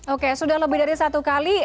oke sudah lebih dari satu kali